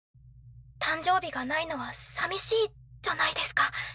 誕生日がないのはさみしいじゃないですか。